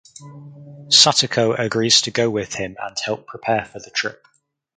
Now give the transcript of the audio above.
Satoko agrees to go with him and help prepare for the trip.